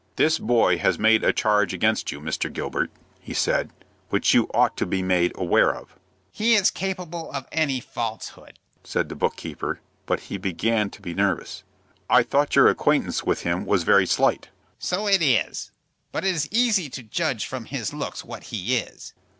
"This boy has made a charge against you, Mr. Gilbert," he said, "which you ought to be made aware of." "He is capable of any falsehood," said the book keeper; but he began to be nervous. "I thought your acquaintance with him was very slight." "So it is; but it is easy to judge from his looks what he is."